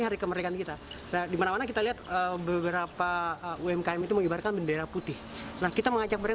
di mana mana kita lihat beberapa umkm itu mengibarkan bendera putih kita mengajak mereka